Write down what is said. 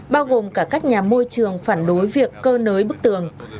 bao gồm cả các nhà môi trường phản đối việc cơ nới bức tường